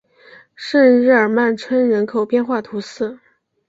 圣日耳曼村人口变化图示